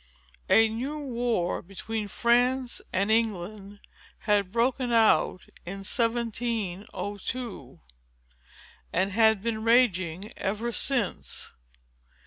A new war between France and England had broken out in 1702, and had been raging ever since.